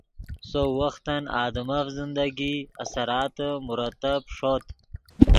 سؤ وختن آدمف زندگی اثراتے مرتب ݰوت